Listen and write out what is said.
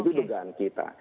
itu dugaan kita